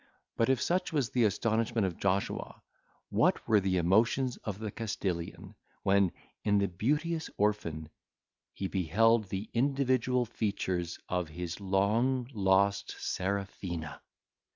But if such was the astonishment of Joshua, what were the emotions of the Castilian, when, in the beauteous orphan, he beheld the individual features of his long lost Serafina!